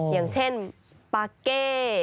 อย่างเช่นปาเก้